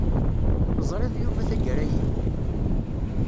Teẓriḍ Yuba tagara-yi?